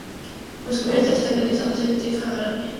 Las cubiertas están realizadas en teja árabe.